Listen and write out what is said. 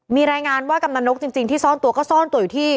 มีรายงานว่ากำนันนกจริงที่ซ่อนตัวก็ซ่อนตัวอยู่ที่